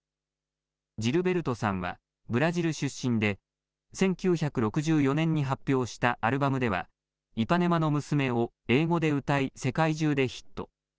ジルベルトさんはブラジル出身で１９６４年に発表したアルバムではイパネマの娘を英語で歌い世界中でヒット。